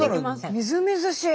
みずみずしい！